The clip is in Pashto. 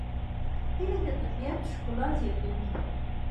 هیلۍ د طبیعت ښکلا زیاتوي